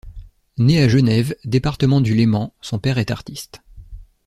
Né à Genève, département du Léman, son père est artiste.